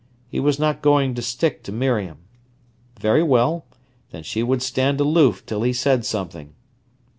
He was not going to stick to Miriam. Very well; then she would stand aloof till he said something.